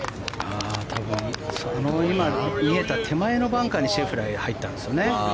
多分、今見えた手前のバンカーにシェフラーは入ったんですね。